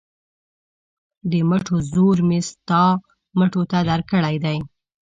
د مټو زور مې ستا مټو ته درکړی دی.